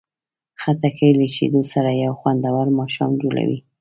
خټکی له شیدو سره یو خوندور ماښام جوړوي.